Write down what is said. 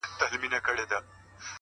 ميئن د كلي پر انجونو يمه!